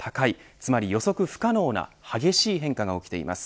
つまり、予測不可能な激しい変化が起きています。